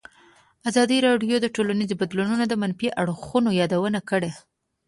ازادي راډیو د ټولنیز بدلون د منفي اړخونو یادونه کړې.